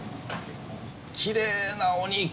きれいなお肉！